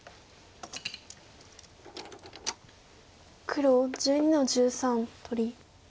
黒１２の十三取り。